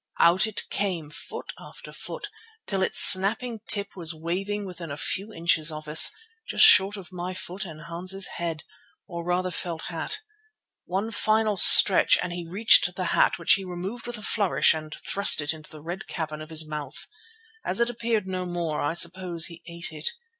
Out it came, foot after foot, till its snapping tip was waving within a few inches of us, just short of my foot and Hans's head, or rather felt hat. One final stretch and he reached the hat, which he removed with a flourish and thrust into the red cavern of his mouth. As it appeared no more I suppose he ate it.